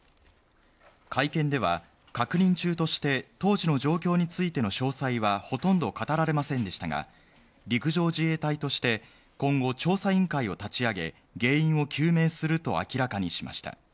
会見では、確認中として当時の状況についての詳細はほとんど語られませんでしたが、陸上自衛隊として今後、調査委員会を立ち上げ、原因を究明すると明らかにしました。